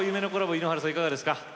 井ノ原さん、いかがですか？